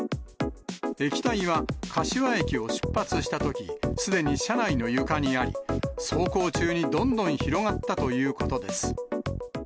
液体は柏駅を出発したとき、すでに車内の床にあり、走行中にどんどん広がったということです。